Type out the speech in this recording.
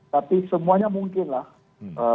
tapi semuanya mungkin lah